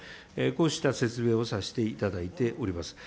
こうした説明をさせていただいております。